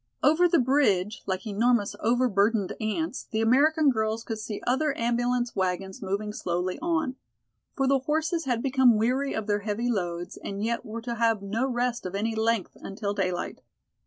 Over the bridge, like enormous over burdened ants, the American girls could see other ambulance wagons moving slowly on. For the horses had become weary of their heavy loads and yet were to have no rest of any length until daylight.